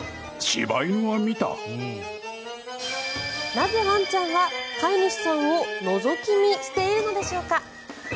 なぜワンちゃんは飼い主さんをのぞき見しているのでしょうか。